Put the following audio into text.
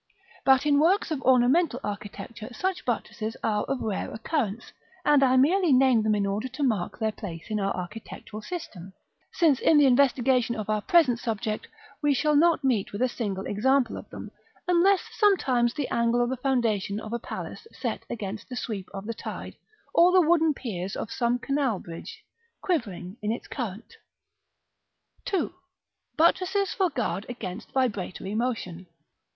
But in works of ornamental architecture such buttresses are of rare occurrence; and I merely name them in order to mark their place in our architectural system, since in the investigation of our present subject we shall not meet with a single example of them, unless sometimes the angle of the foundation of a palace set against the sweep of the tide, or the wooden piers of some canal bridge quivering in its current. § IV. 2. Buttresses for guard against vibratory motion.